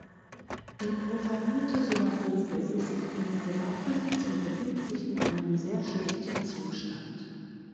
Die profanierte Synagoge ist in Privatbesitz und befindet sich in einem sehr schlechten Zustand.